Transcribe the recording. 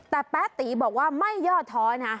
แต่แป๊ตีบอกว่าไม่ย่อท้อนะ